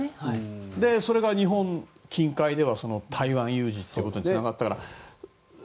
それが日本近海では台湾有事につながったから。